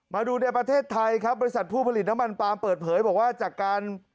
มาดูในประเทศไทยครับบริษัทผู้ผลิตน้ำมันปลามเปิดเผยบอกว่าจากการ